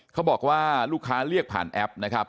เขาบอกว่าลูกค้าเรียกผ่านแอปนะครับ